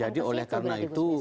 jadi oleh karena itu